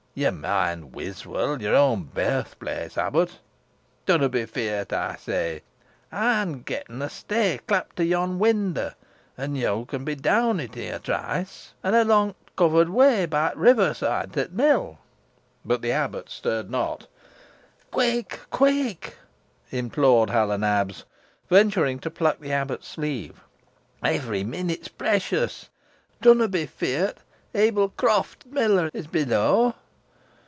Yo'n moind Wiswall, yeawr own birthplace, abbut? Dunna be feert, ey sey. Ey'n getten a steigh clapt to yon windaw, an' you con be down it i' a trice an' along t' covert way be t' river soide to t' mill." But the abbot stirred not. "Quick! quick!" implored Hal o' Nabs, venturing to pluck the abbot's sleeve. "Every minute's precious. Dunna be feert. Ebil Croft, t' miller, is below.